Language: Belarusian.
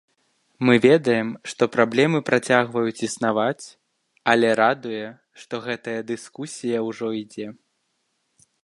Мы ведаем, што праблемы працягваюць існаваць, але радуе, што гэтая дыскусія ўжо ідзе.